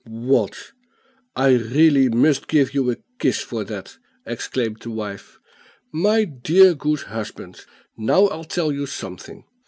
"What! I really must give you a kiss for that!" exclaimed the wife. "My dear, good husband, now I'll tell you something.